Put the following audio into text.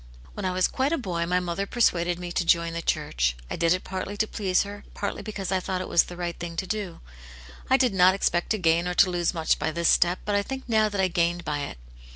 When I was quite a boy my mother, persuaded me to join the church ; I did it partly to please her, partly because I thought it was the right thing to do. I did not expect to gain or to lose much by this step, but I think now that I gained by it.